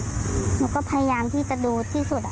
หนูก็พยายามที่จะดูที่สุด